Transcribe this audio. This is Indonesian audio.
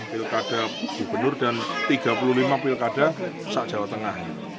pilkada bibenur dan tiga puluh lima pilkada sakjawa tengah